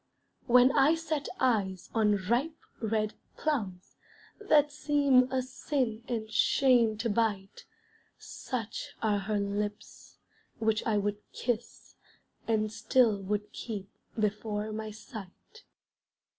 When I set eyes on ripe, red plums That seem a sin and shame to bite, Such are her lips, which I would kiss, And still would keep before my sight.